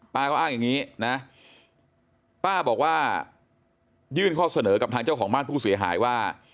ป้าก็อ้างอย่างนี้นะป้าบอกว่ายื่นข้อเสนอกับทางเจ้าของบ้านผู้เสียหายว่า